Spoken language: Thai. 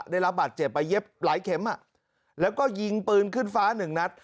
ได้รับบาดเจ็บไปเย็บหลายเข็มแล้วก็ยิงปืนขึ้นฟ้าหนึ่งนัด